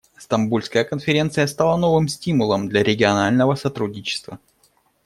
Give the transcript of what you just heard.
Стамбульская конференция стала новым стимулом для регионального сотрудничества.